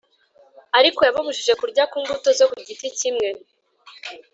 arko yababujije kurya ku mbuto zo ku giti kimwe,